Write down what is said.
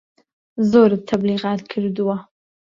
زۆرت تەبلیغات کردوە